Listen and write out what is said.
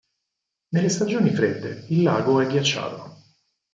Nelle stagioni fredde, il lago è ghiacciato.